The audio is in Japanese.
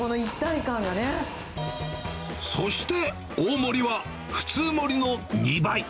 そして、大盛りは普通盛りの２倍。